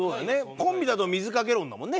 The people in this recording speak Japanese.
コンビだと水掛け論だもんね